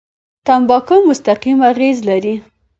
تمباکو مستقیم اغېز لري.